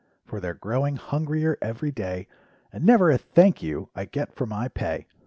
P'or their growing hungrier every day, And never a 'thank you' I get for my pay.